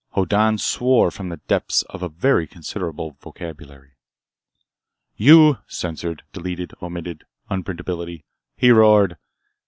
V Hoddan swore from the depths of a very considerable vocabulary. "You (censored)—(deleted)—(omitted)—(unprintability)", he roared.